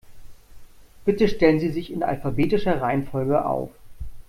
Bitte stellen Sie sich in alphabetischer Reihenfolge auf.